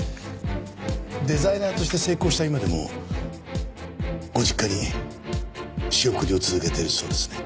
デザイナーとして成功した今でもご実家に仕送りを続けているそうですね。